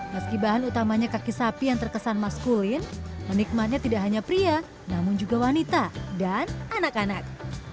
meski bahan utamanya kaki sapi yang terkesan maskulin menikmatnya tidak hanya pria namun juga wanita dan anak anak